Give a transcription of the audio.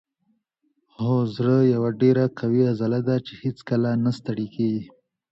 هو زړه یوه ډیره قوي عضله ده چې هیڅکله نه ستړې کیږي